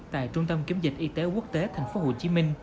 tại trung tâm kiểm dịch y tế quốc tế tp hcm